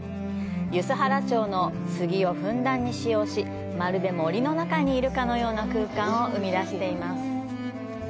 梼原町の杉をふんだんに使用し、まるで森の中にいるかのような空間を生み出しています。